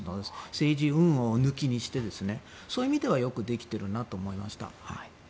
政治うんぬんを抜きにしてそういう意味ではよくできているなと思いました。